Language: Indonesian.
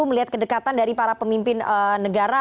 melihat kedekatan dari para pemimpin negara